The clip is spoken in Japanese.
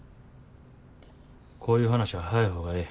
こういう話は早い方がええ。